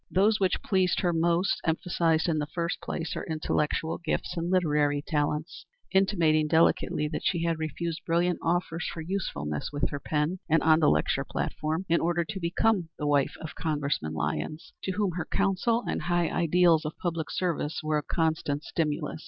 Those which pleased her most emphasized in the first place her intellectual gifts and literary talents, intimating delicately that she had refused brilliant offers for usefulness with her pen and on the lecture platform in order to become the wife of Congressman Lyons, to whom her counsel and high ideals of public service were a constant stimulus.